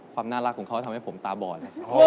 ความน่ารักของเขาทำให้ผมตาบอด